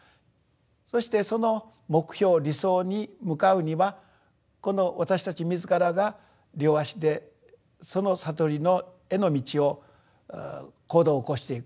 そしてその目標理想に向かうにはこの私たち自らが両足でその悟りへの道を行動を起こしていく。